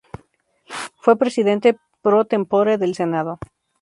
Fue presidente pro tempore del senado.